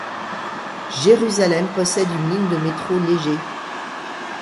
Jérusalem possède une ligne de métro léger.